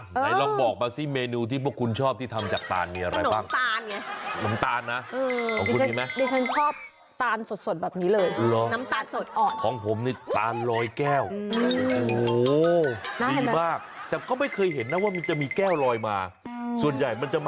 นายลองบอกมาซิเมนูที่พวกคุณชอบที่ทำจากตาก่อนมีอะไรบ้างน้ำตาลนะของคุณมีไหม